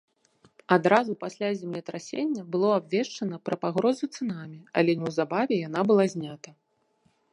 Адразу пасля землетрасення было абвешчана пра пагрозу цунамі, але неўзабаве яна была знята.